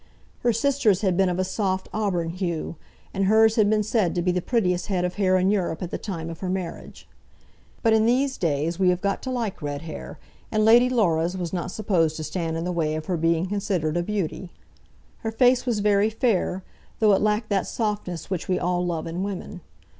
Her sister's had been of a soft auburn hue, and hers had been said to be the prettiest head of hair in Europe at the time of her marriage. But in these days we have got to like red hair, and Lady Laura's was not supposed to stand in the way of her being considered a beauty. Her face was very fair, though it lacked that softness which we all love in women.